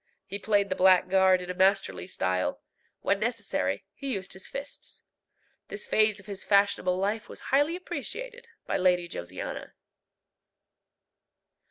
He played the blackguard in a masterly style: when necessary, he used his fists. This phase of his fashionable life was highly appreciated by Lady Josiana.